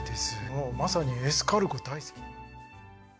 もうまさにエスカルゴ大好き。